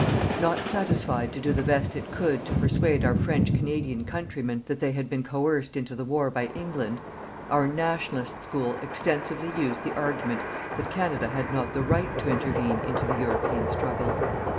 Not satisfied to do the best it could to persuade our French Canadian countrymen that they had been coerced into the war by England, our "Nationalist School" extensively used the argument that Canada had not the right to intervene into the European struggle.